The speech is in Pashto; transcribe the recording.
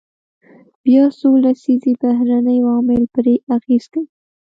بیا څو لسیزې بهرني عوامل پرې اغیز کوي.